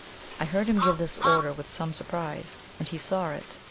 I heard him give this order with some surprise, and he saw it.